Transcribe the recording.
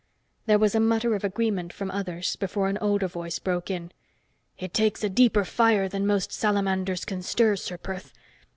There was a mutter of agreement from others, before an older voice broke in. "It takes a deeper fire than most salamanders can stir, Ser Perth.